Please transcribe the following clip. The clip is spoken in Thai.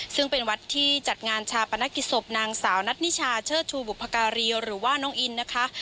ซึ่งเป็นวัดที่จัดงานชาปนกิจศพนางสาวนัทนิชาเชิดชูบุพการีหรือว่าน้องอินนะคะ